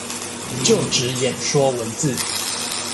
就職演說文字